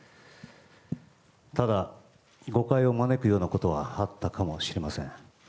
ただ、誤解を招くようなことはあったかもしれません。